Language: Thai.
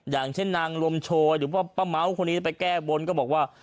อย่างเช่นนางลมโชยหรือว่าป้าเม้าคนนี้ไปแก้บนก็บอกว่า